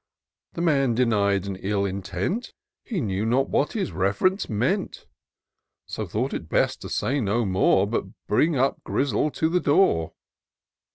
The man denied an ill intent ; He knew not what his Rev'rence meant : So thought it best to say no more. But bring up Grizzle to the door.